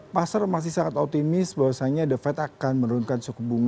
pasar masih sangat optimis bahwasannya the fed akan menurunkan suku bunga